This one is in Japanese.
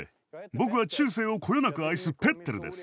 僕は中世をこよなく愛すペッテルです。